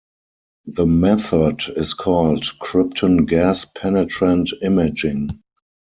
The method is called "krypton gas penetrant imaging".